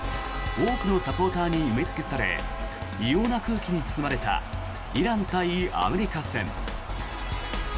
多くのサポーターに埋め尽くされ異様な空気に包まれたイラン対アメリカ戦。